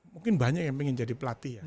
mungkin banyak yang ingin jadi pelatih ya